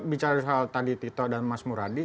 bicara soal tadi tito dan mas muradi